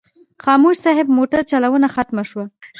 خاموش صاحب موټر چلونه ختمه شوه.